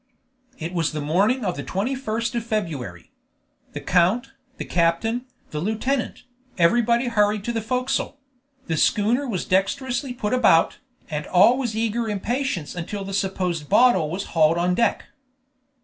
It was the morning of the 21st of February. The count, the captain, the lieutenant, everybody hurried to the forecastle; the schooner was dexterously put about, and all was eager impatience until the supposed bottle was hauled on deck.